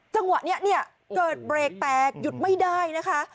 จังหวะนี้เนี่ยเกิดเบรกแตกหยุดไม่ได้นะคะ